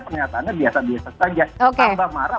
pernyataannya biasa biasa saja tambah marah